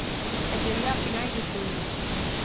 E sería a finais de xuño.